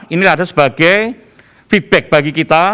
ini adalah sebagai feedback bagi kita